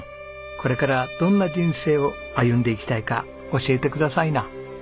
これからどんな人生を歩んでいきたいか教えてくださいな。